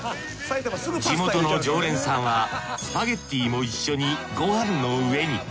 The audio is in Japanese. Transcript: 地元の常連さんはスパゲッティも一緒にご飯の上に。